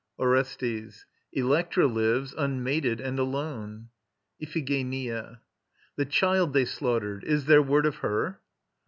ORESTES. Electra lives, unmated and alone. IPHIGENIA. The child they slaughtered ... is there word of her?